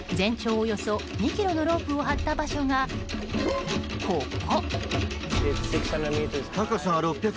およそ２ｋｍのロープを張った場所が、ここ。